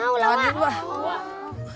mau lah wak